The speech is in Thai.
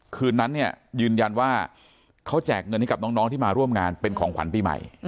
คืนนั้นเนี่ยยืนยันว่าเขาแจกเงินให้กับน้องที่มาร่วมงานเป็นของขวัญปีใหม่